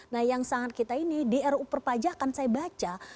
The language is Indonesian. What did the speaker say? nah yang sangat kita ini dru perpajakan saya baca